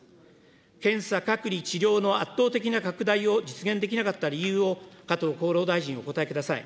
検査、隔離、治療の圧倒的な拡大を実現できなかった理由を、加藤厚労大臣、お答えください。